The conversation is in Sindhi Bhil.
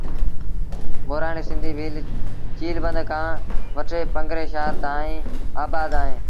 مورآڻيٚ سنڌيٚ ڀيٚل چيٚل بند کآݩ وٺي پنگري شآهر تائيٚݩ آبآد اوهيݩ